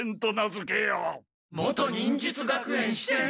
元忍術学園支店！？